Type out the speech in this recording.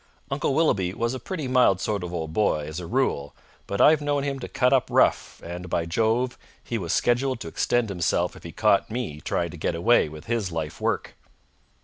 Uncle Willoughby was a pretty mild sort of old boy, as a rule, but I've known him to cut up rough, and, by Jove, he was scheduled to extend himself if he caught me trying to get away with his life work.